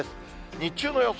日中の予想